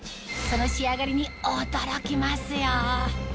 その仕上がりに驚きますよ！